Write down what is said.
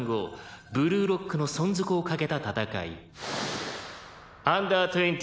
「ブルーロックの存続を懸けた戦い」「Ｕ−２０